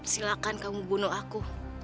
silahkan kamu bunuh aku